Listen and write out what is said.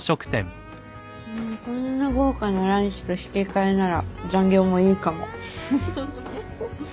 こんな豪華なランチと引き換えなら残業もいいかも。